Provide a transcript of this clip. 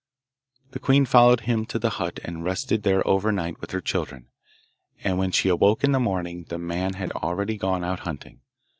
The queen followed him to the hut and rested there overnight with her children, and when she awoke in the morning the man had already gone out hunting.